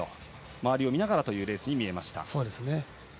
周りを見ながらというレースに見えました。